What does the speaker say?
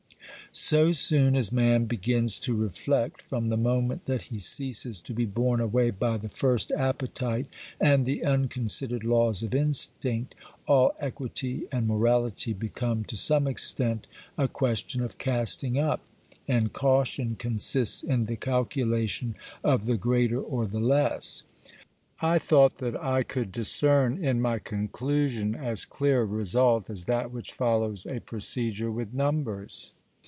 So soon as man begins to reflect, from the moment that he ceases to be borne away by the first appetite and the unconsidered laws of instinct, all equity and morality become to some extent a question of casting up, and caution consists in the calculation of the greater or the less. I thought that I could discern in my conclusion as clear a result as that which follows a procedure with numbers.